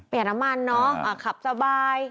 ประหยัดน้ำมันเนาะขับสบาย